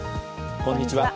こんにちは。